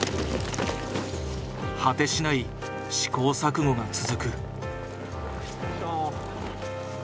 果てしない試行錯誤が続く。